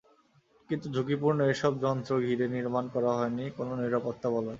কিন্তু ঝুঁকিপূর্ণ এসব যন্ত্র ঘিরে নির্মাণ করা হয়নি কোনো নিরাপত্তা বলয়।